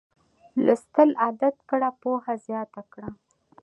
لوستل عادت کړه پوهه زیاته کړه